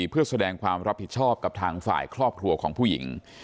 เพื่อแสดงความรับผิดชอบกับทางฝ่ายครอบครัวของผู้หญิง